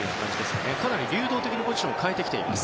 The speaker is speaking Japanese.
かなり流動的にポジションを変えてきています。